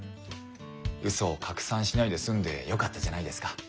ウソを拡散しないで済んでよかったじゃないですか。